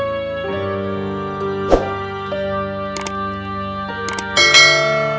ask sendirian pertama selama ini saya akan sampai punya pembantu